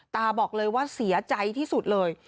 ตาบอกเลยว่าเสียใจที่สุดเลย